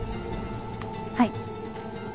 はい。